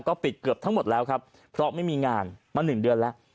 ก็ปิดเกือบทั้งหมดแล้วครับเพราะไม่มีงานมา๑เดือนแล้ว